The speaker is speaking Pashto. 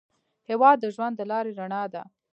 هېواد د ژوند د لارې رڼا ده.